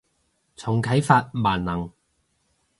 重啟法萬能